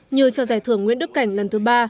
như cho giải thưởng nguyễn đức cảnh lần thứ ba